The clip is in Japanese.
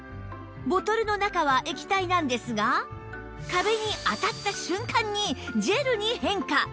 ボトルの中は液体なんですが壁に当たった瞬間にジェルに変化